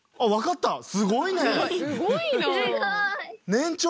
すごいな。